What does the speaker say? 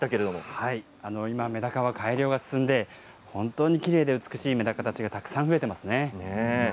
今めだかは改良が進んで本当にきれいで美しいめだかたちがたくさん増えています。